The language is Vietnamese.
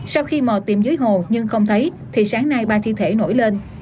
sau khi mò tìm dưới hồ nhưng không thấy thì sáng nay ba thi thể nổi lên